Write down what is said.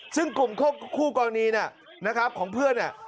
ซึ่งกลุ่มคู่กรณีเนี่ยนะครับของเพื่อนเนี่ย